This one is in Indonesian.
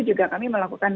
juga kami melakukan